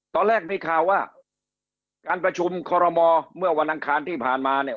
ตอนแรกมีข่าวว่าการประชุมคอรมอเมื่อวันอังคารที่ผ่านมาเนี่ย